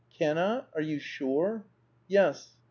"Cannot? Are you sure?" "Yes."